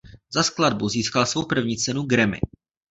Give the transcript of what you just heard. Za skladbu získal svou první cenu Grammy.